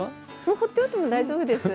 放っておいても大丈夫です。